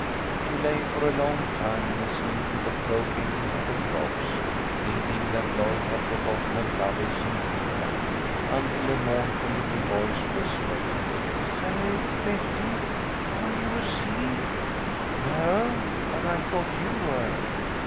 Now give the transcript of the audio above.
She lay for a long time, listening to the croaking of the frogs, thinking that Lloyd had forgotten her troubles in dreamland, until a mournful little voice whispered, " Say, Betty, are you asleep ?"" No ; but I thought you were."